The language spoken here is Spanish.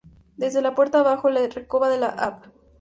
Desde la puerta bajo la recova de la Av.